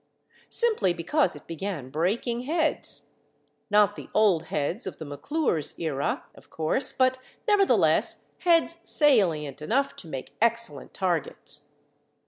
Simply because it began breaking heads—not the old heads of the McClure's era, of course, but nevertheless heads salient enough to make excellent targets.